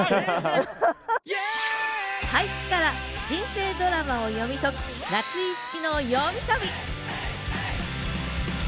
俳句から人生ドラマを読み解く「夏井いつきのよみ旅！」